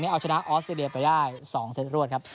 เอาชนะออสเตรเลียไปได้๒เซตรวดครับ